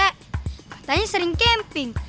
katanya sering camping